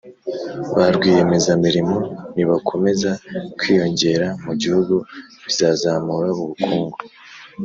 Barwiyemeza mirimo nibakomeza kwiyongera mugihugu bizazamura ubukungu